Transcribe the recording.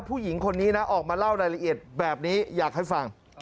ผู้หญิงคนนี้นะออกมาเล่ารายละเอียดแบบนี้อยากให้ฟัง